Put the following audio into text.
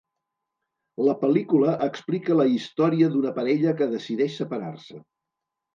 La pel·lícula explica la història d'una parella que decideix separar-se.